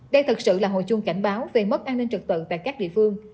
đây thật sự là hồi chuông cảnh báo về mất an ninh trực tự tại các địa phương